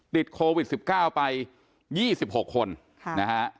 ติดโควิด๑๙ไป๒๖คนนะฮะ